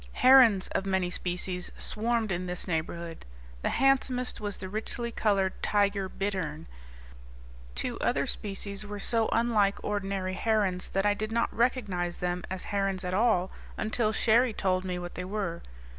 Herons of many species swarmed in this neighborhood. The handsomest was the richly colored tiger bittern. Two other species were so unlike ordinary herons that I did not recognize them as herons at all until Cherrie told me what they were.